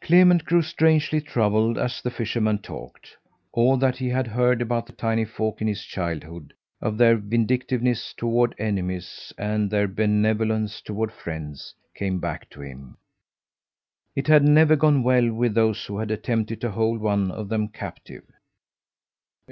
Clement grew strangely troubled as the fisherman talked. All that he had heard about the tiny folk in his childhood of their vindictiveness toward enemies and their benevolence toward friends came back to him. It had never gone well with those who had attempted to hold one of them captive.